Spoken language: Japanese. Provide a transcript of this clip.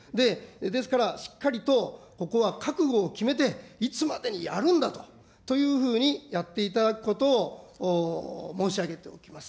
ですから、しっかりとここは覚悟を決めて、いつまでにやるんだというふうにやっていただくことを申し上げておきます。